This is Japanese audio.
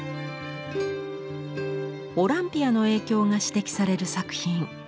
「オランピア」の影響が指摘される作品。